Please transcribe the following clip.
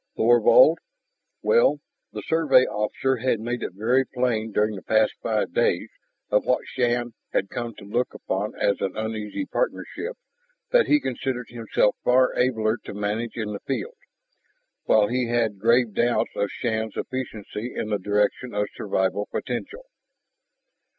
Thorvald? Well, the Survey officer had made it very plain during the past five days of what Shann had come to look upon as an uneasy partnership that he considered himself far abler to manage in the field, while he had grave doubts of Shann's efficiency in the direction of survival potential.